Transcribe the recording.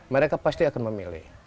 mereka pasti akan memilih